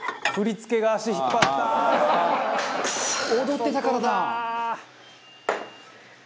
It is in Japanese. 「踊ってたからだ」